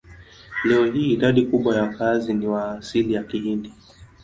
Leo hii idadi kubwa ya wakazi ni wa asili ya Kihindi.